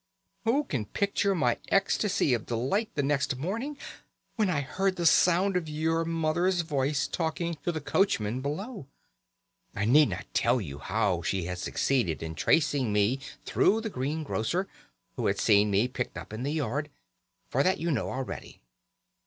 Who can picture my ecstasy of delight the next morning when I heard the sound of your mother's voice talking to the coachman below? I need not tell you how she had succeeded in tracing me through the green grocer, who had seen me picked up in the yard, for that you know already.